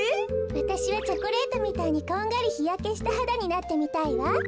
わたしはチョコレートみたいにこんがりひやけしたはだになってみたいわ。